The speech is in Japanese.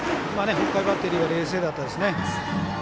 北海バッテリーは冷静だったですね。